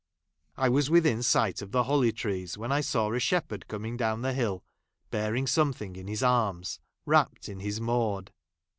I was : within sight of the holly trees, when I saw a 1 shephei'd coming down the hill, bearing some ^ thing in his arms wrapped in his maud.